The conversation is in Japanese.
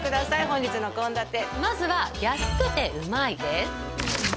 本日の献立まずは安くて旨いです